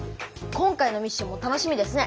今回のミッションも楽しみですね。